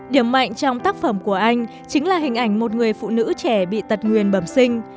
điểm mạnh trong tác phẩm của anh chính là hình ảnh một người phụ nữ trẻ bị tật nguyền bẩm sinh